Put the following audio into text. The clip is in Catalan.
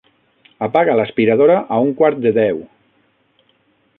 Apaga l'aspiradora a un quart de deu.